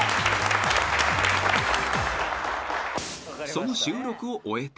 ［その収録を終えて］